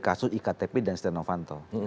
kasus iktp dan setia novanto